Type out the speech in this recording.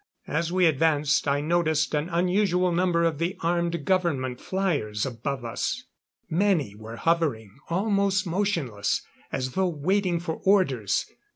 As we advanced, I noticed an unusual number of the armed government flyers above us. Many were hovering, almost motionless, as though waiting for orders.